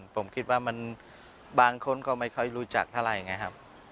ผมคิดว่ามันบางคนก็ไม่ค่อยรู้จักเท่าไหร่ไงครับ